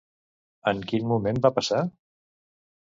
En quin moment va passar?